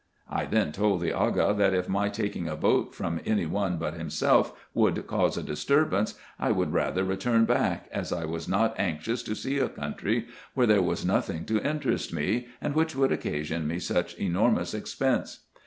— I then told the Aga that, if my taking a boat from any one but himself would cause a disturbance, I would rather return back, as I was not anxious to see a country, where there was nothing to interest me, and which would occasion me such enormous expense.